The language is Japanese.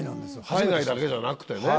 海外だけじゃなくてね。